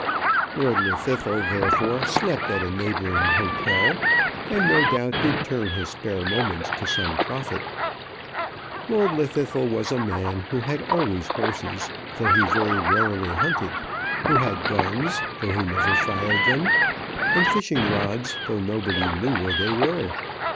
Lord Llwddythlw, therefore, slept at a neighbouring hotel, and no doubt did turn his spare moments to some profit. Lord Llwddythlw was a man who had always horses, though he very rarely hunted; who had guns, though he never fired them; and fishing rods, though nobody knew where they were.